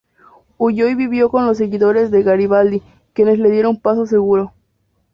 Huyó y vivió con los seguidores de Garibaldi, quienes le dieron paso seguro.